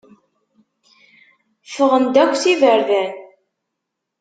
Ffɣen-d akk s iberdan.